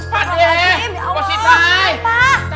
pak deh pak sita